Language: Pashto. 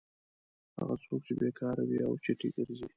هغه څوک چې بېکاره وي او چټي ګرځي.